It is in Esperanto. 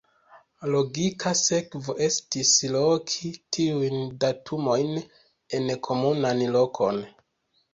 Logika sekvo estis loki tiujn datumojn en komunan lokon.